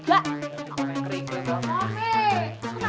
gak boleh kerikil dong mami